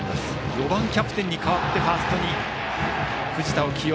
４番キャプテンに代わってファーストに藤田を起用。